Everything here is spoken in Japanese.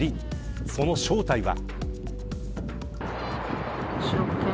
その正体は。